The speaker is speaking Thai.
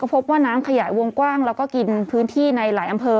พบว่าน้ำขยายวงกว้างแล้วก็กินพื้นที่ในหลายอำเภอ